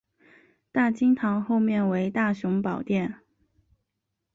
大经堂后面为大雄宝殿。